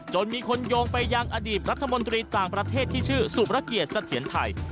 มีคนโยงไปยังอดีตรัฐมนตรีต่างประเทศที่ชื่อสุประเกียรติเสถียรไทย